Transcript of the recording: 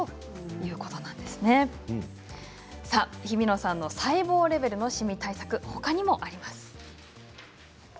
日比野さんの細胞レベルのシミ対策、ほかにもあります。